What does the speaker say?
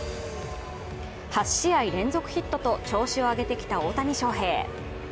８試合連続ヒットと調子を上げてきた大谷翔平。